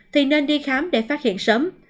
thì nên đi khám để phát hiện sớm